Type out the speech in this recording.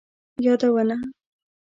یادونه: